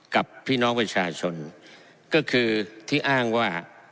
กับพี่น้องประชาชนก็คือที่อ้างว่า